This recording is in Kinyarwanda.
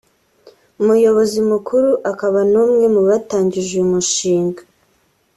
umuyobozi mukuru akaba n’umwe mu batangije uyu mushinga